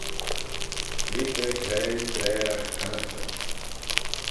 Lhig da graih braaragh tannaghtyn.